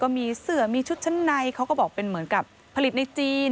มีเสือมีชุดชั้นในเขาก็บอกเป็นเหมือนกับผลิตในจีน